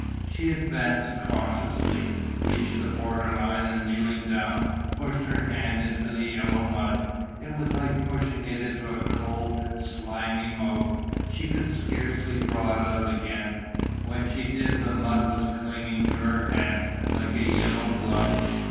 She advanced cautiously, reached the border line and kneeling down pushed her hand into the yellow mud. It was like pushing it into a cold slimy mouth. She could scarcely draw it out again, when she did the mud was clinging to her hand like a yellow glove.